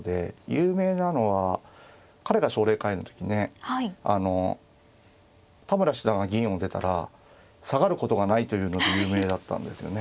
有名なのは彼が奨励会員の時ねあの田村七段が銀を出たら下がることがないというので有名だったんですよね。